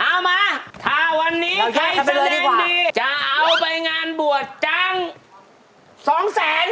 เอามาถ้าวันนี้ใครแสดงดีจะเอาไปงานบวชจังสองแสน